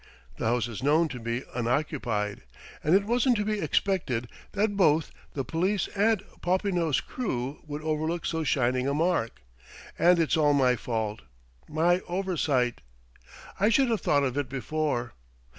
The house is known to be unoccupied; and it wasn't to be expected that both the police and Popinot's crew would overlook so shining a mark.... And it's all my fault, my oversight: I should have thought of it before....